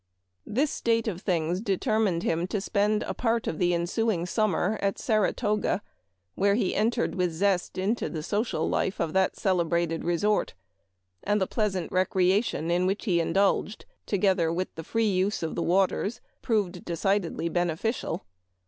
This state of things determined him to spend a part of the ensuing summer at Saratoga, where he entered with zest into the social life of that celebrated resort ; and the pleasant recreation in which he indulged, together with a free use of the waters, proved decidedly bene ficial.